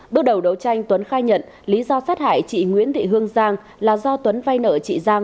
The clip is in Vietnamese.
bước đầu đấu tranh tuấn khai nhận lý do sát hại chị nguyễn thị hương giang là do tuấn vay nợ chị giang